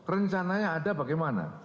rencananya ada bagaimana